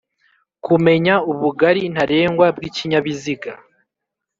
Kumenya ubugari ntarengwa bw'ikinyabiziga.